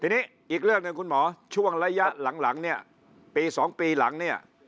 ทีนี้อีกเรื่องหนึ่งคุณหมอช่วงระยะหลังเนี่ยปี๒ปีหลังเนี่ย